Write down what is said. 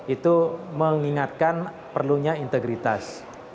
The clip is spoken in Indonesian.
itu mengingatkan perlunya integritas